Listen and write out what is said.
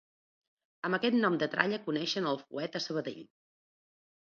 Amb aquest nom de tralla coneixen el fuet a Sabadell.